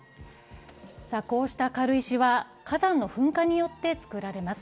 こうした軽石は火山の噴火によって作られます。